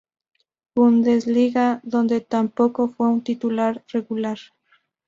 Bundesliga, donde tampoco fue un titular regular.